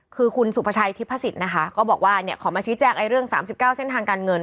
คือคุณสุภาชัยทิพศิษย์นะคะก็บอกว่าเนี่ยขอมาชี้แจงเรื่อง๓๙เส้นทางการเงิน